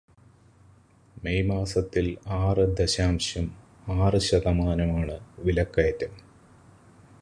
May മാസത്തിൽ ആറ് ദശാംശം ആറ് ശതമാനമാണ് വിലക്കയറ്റം.